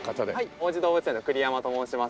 王子動物園の栗山と申します。